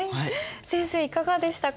先生いかがでしたか？